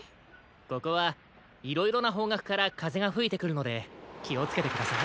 ここはいろいろなほうがくからかぜがふいてくるのできをつけてください。